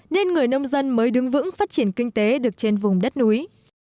nên người nông dân mới đứng vững phát triển kinh tế được trên vùng đất núi